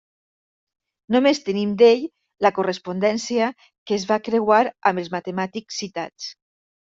Només tenim d'ell la correspondència que es va creuar amb els matemàtics citats.